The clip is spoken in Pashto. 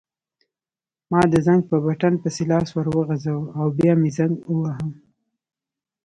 ما د زنګ په بټن پسې لاس وروغځاوه او بیا مې زنګ وواهه.